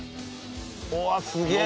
うわすげえ！